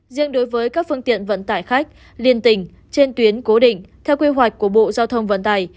riêng đối với các phương tiện vận tải khách liên tình trên tuyến cố định theo quy hoạch của bộ giao thông vận tải